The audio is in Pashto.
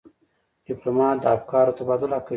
ډيپلومات د افکارو تبادله کوي.